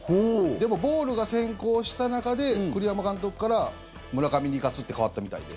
でも、ボールが先行した中で栗山監督から村上に行かすって変わったみたいで。